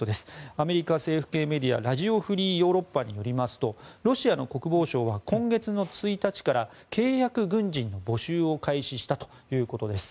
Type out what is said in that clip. アメリカ政府系メディアラジオ・フリー・ヨーロッパによりますとロシアの国防省は今月の１日から契約軍人の募集を開始したということです。